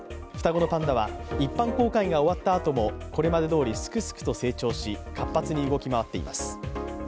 双子のパンダは一般公開が終わったあともこれまでどおりすくすくと成長し活発に動き回っています。